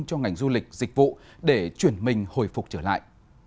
cho ngành du lịch dịch vụ để chuyển mình hồi phục trở lại